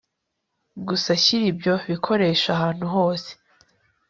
Gusa shyira ibyo bikoresho ahantu hose